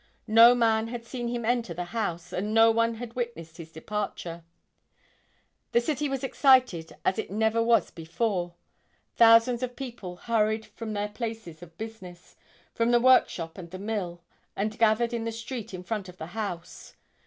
No man had seen him enter the house and no one had witnessed his departure. The city was excited as it never was before; thousands of people hurried from their places of business, from the workshop and the mill, and gathered in the street in front of the house.